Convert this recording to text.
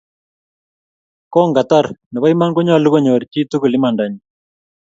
ko ngatar, nebo iman konyalu konyor chii tugul imanda nyii